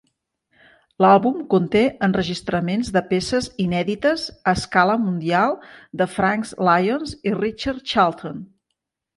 L'àlbum conté enregistraments de peces inèdites a escala mundial de Franks Lyons i Richard Charlton.